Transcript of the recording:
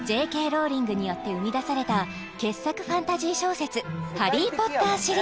Ｊ．Ｋ．ローリングによって生み出された傑作ファンタジー小説